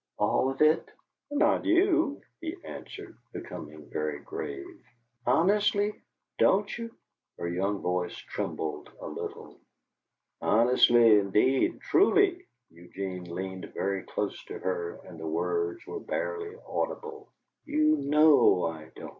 "All of it?" "Not you," he answered, becoming very grave. "Honestly DON'T you?" Her young voice trembled a little. "Honestly indeed truly " Eugene leaned very close to her and the words were barely audible. "You KNOW I don't!"